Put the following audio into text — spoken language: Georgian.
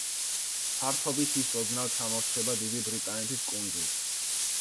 ფართობით ის ოდნავ ჩამორჩება დიდი ბრიტანეთის კუნძულს.